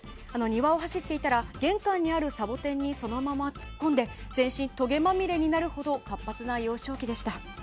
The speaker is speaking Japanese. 庭を走っていたら玄関にあるサボテンにそのまま突っ込んで全身とげまみれになるほど活発な幼少期でした。